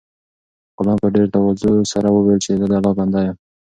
غلام په ډېر تواضع سره وویل چې زه د الله بنده یم.